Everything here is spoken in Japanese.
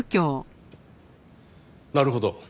なるほど。